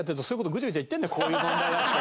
「こういう問題だ」って。